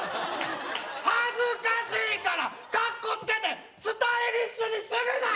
恥ずかしいからカッコつけてスタイリッシュにするな！